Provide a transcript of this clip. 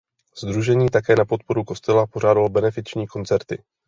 Sdružení také na podporu kostela pořádalo benefiční koncerty.